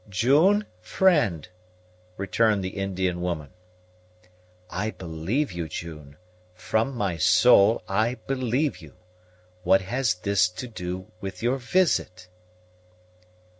"June, friend," returned the Indian woman. "I believe you, June from my soul I believe you; what has this to do with your visit?"